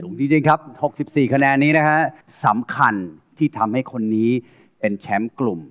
จริงครับ๖๔คะแนนนี้นะฮะสำคัญที่ทำให้คนนี้เป็นแชมป์กลุ่ม